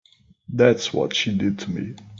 That's what she did to me.